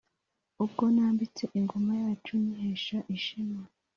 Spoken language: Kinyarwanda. Ubwo nambitse ingoma yacu nyihesha ishema